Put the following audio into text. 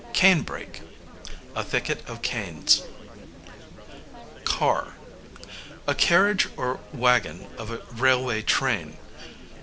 Cane brake, a thicket of canes. Car, a carriage or wagon of a railway train.